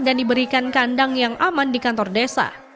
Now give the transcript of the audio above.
diberikan kandang yang aman di kantor desa